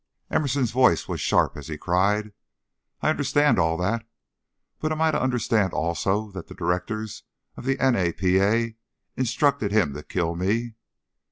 Emerson's voice was sharp as he cried: "I understand all that; but am I to understand also that the directors of the N. A. P. A. instructed him to kill me?"